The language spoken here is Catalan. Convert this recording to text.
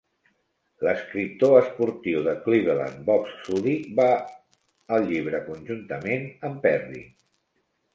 L'escriptor esportiu de Cleveland Bob Sudyk va el llibre conjuntament amb Perry.